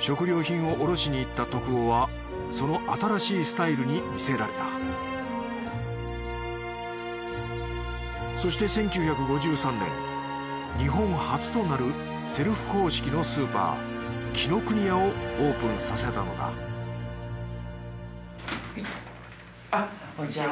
食料品を卸しにいった男はその新しいスタイルに魅せられたそして１９５３年日本初となるセルフ方式のスーパー紀ノ国屋をオープンさせたのだこんにちは。